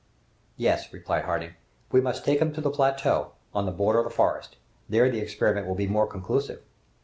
"Yes," replied Harding, "we must take him to the plateau, on the border of the forest. There the experiment will be more conclusive."